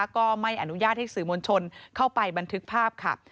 ก็ไม่อนุญาตให้สื่อมวลชนเข้าไปบันทึกภาพค่ะ